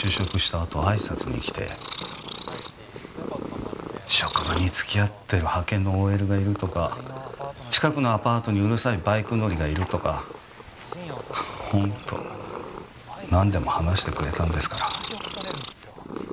あと挨拶に来て職場に付き合ってる派遣のＯＬがいるとか近くのアパートにうるさいバイク乗りがいるとかホント何でも話してくれたんですから。